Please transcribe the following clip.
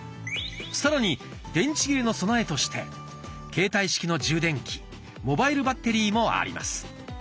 さらに電池切れの備えとして携帯式の充電器「モバイルバッテリー」もあります。